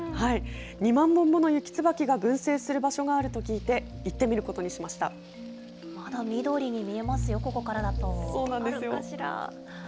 ２万本ものユキツバキが群生する場所があると聞いて、行ってみるまだ緑に見えますよ、ここかそうなんですよ。